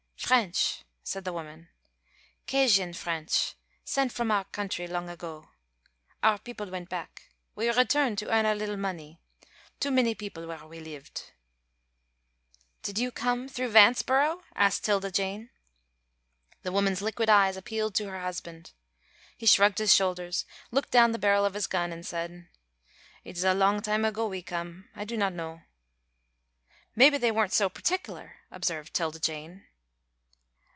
"French," said the woman, "'Cajien French sent from our country long ago. Our people went back. We returned to earn a little money. Too many people where we lived." "Did you come through Vanceboro?" asked 'Tilda Jane. The woman's liquid eyes appealed to her husband. He shrugged his shoulders, looked down the barrel of his gun, and said, "It is a long time ago we come. I do not know." "Mebbe they weren't so partickler," observed 'Tilda Jane.